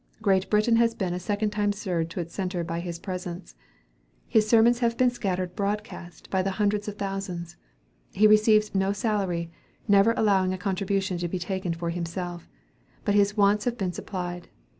Great Britain has been a second time stirred to its centre by his presence. His sermons have been scattered broadcast by the hundreds of thousands. He receives no salary, never allowing a contribution to be taken for himself, but his wants have been supplied.